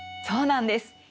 そうなんです。